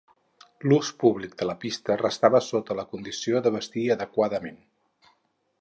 L'ús públic de la pista restava sota la condició de "vestir adequadament".